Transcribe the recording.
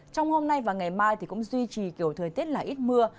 trong hôm nay và ngày mai cũng duy trì kiểu thời tiết là ít mưa